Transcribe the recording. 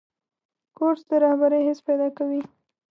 کورس د رهبرۍ حس پیدا کوي.